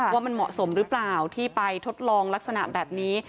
ว่ามันเหมาะสมหรือเปล่าที่ไปทดลองลักษณะแบบนี้